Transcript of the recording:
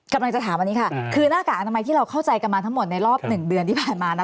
กำลังจะถามอันนี้ค่ะคือหน้ากากอนามัยที่เราเข้าใจกันมาทั้งหมดในรอบ๑เดือนที่ผ่านมานะ